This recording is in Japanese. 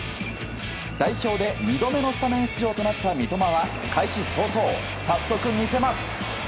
代表で２度目のスタメン出場となった三笘は開始早々、早速見せます。